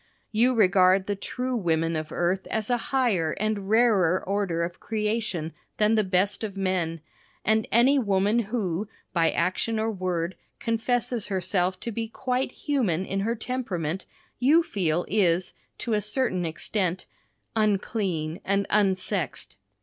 You regard the true women of earth as a higher and rarer order of creation than the best of men, and any woman who by action or word confesses herself to be quite human in her temperament, you feel is, to a certain extent, "unclean and unsexed."